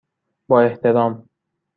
با احترام،